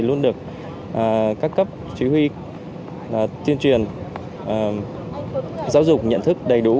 luôn được các cấp chỉ huy tuyên truyền giáo dục nhận thức đầy đủ